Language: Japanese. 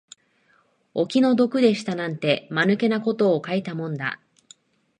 お気の毒でしたなんて、間抜けたことを書いたもんだ